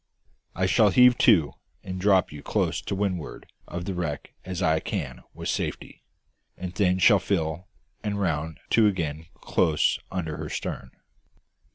I shall heave to, and drop you as close to windward of the wreck as I can with safety; and then shall fill, and round to again close under her stern."